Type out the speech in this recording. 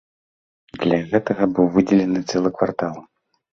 Для гэтага быў выдзелены цэлы квартал.